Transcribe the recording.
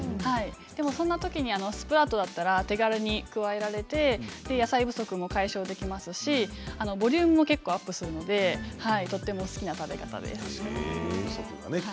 でもそんなときにスプラウトだったら手軽に加えられて野菜不足も解消できますしボリュームも結構アップするのでとても好きな食べ方です。